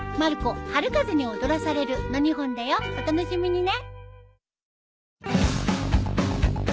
お楽しみにね。